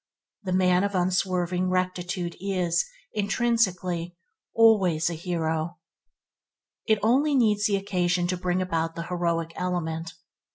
The man of unswerving rectitude is, intrinsically, always a hero. It only needs the occasion to bring out the heroic element.